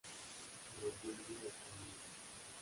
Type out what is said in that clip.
Rodrigo Escamilla.